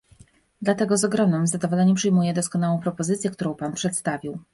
Dlatego z ogromnym zadowoleniem przyjmuję doskonałą propozycję, którą Pan przedstawił